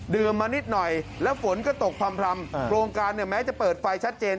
มานิดหน่อยแล้วฝนก็ตกพร่ำโครงการเนี่ยแม้จะเปิดไฟชัดเจน